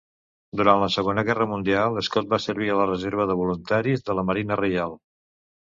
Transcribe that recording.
Durant la Segona Guerra Mundial, Scott va servir a la Reserva de Voluntaris de la Marina Reial.